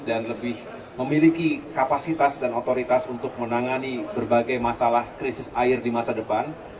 dan lebih memiliki kapasitas dan otoritas untuk menangani berbagai masalah krisis air di masa depan